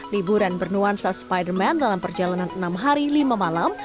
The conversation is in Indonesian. liburan bernuansa spiderman dalam perjalanan enam hari lima malam